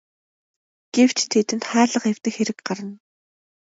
Гэвч тэдэнд хаалга эвдэх хэрэг гарна.